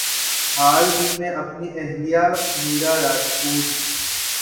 حال ہی میں اپنی اہلیہ میرا راجپوت